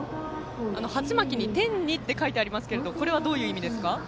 鉢巻きに天にと書いてありますがこれはどういう意味ですか？